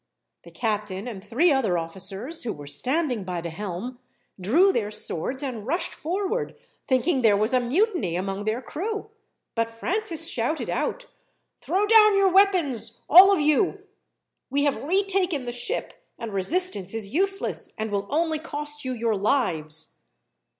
The captain and three other officers, who were standing by the helm, drew their swords and rushed forward, thinking there was a mutiny among their crew; but Francis shouted out: "Throw down your weapons, all of you. We have retaken the ship, and resistance is useless, and will only cost you your lives."